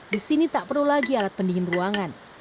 di sini tak perlu lagi alat pendingin ruangan